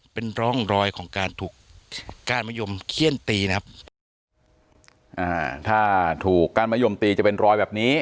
เป็นร่องรอยของการถูกก้านมะยมเขี้ยนตีนะครับอ่าถ้าถูกก้านมะยมตีจะเป็นรอยแบบนี้